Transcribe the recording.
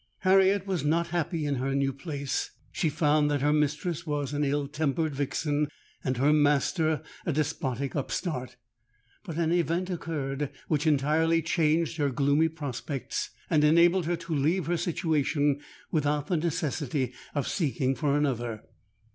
"Harriet was not happy in her new place. She found that her mistress was an ill tempered vixen, and her master a despotic upstart. But an event occurred which entirely changed her gloomy prospects, and enabled her to leave her situation without the necessity of seeking for another.